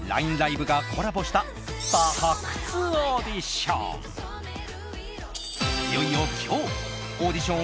ＬＩＮＥＬＩＶＥがコラボしたスター発掘オーディション！